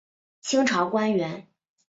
清朝官员。